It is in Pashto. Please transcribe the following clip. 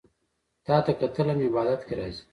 تاته کتل هم عبادت کی راځي